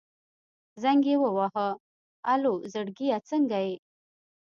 زنګ يې ووهه الو زړګيه څنګه يې.